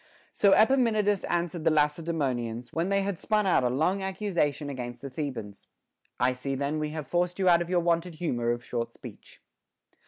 So Epaminondas answered the Lacedaemonians, when they had spun out a long accusation against the Thebans : I see then we have forced you out of your wonted humor of short speech.